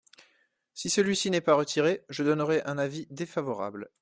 Si celui-ci n’est pas retiré, je donnerai un avis défavorable.